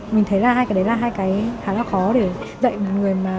mình thấy là hai cái đấy là hai cái khá là khó để dạy một người mà